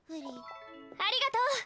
ありがとう。